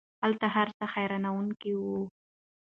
هلته هر څه حیرانوونکی وو.